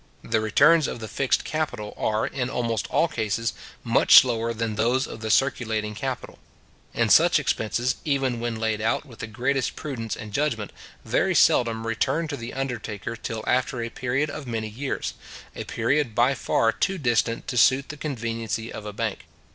The returns of the fixed capital are, in almost all cases, much slower than those of the circulating capital: and such expenses, even when laid out with the greatest prudence and judgment, very seldom return to the undertaker till after a period of many years, a period by far too distant to suit the conveniency of a bank.